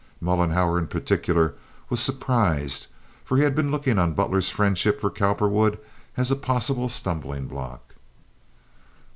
Mollenhauer in particular was surprised, for he had been looking on Butler's friendship for Cowperwood as a possible stumbling block.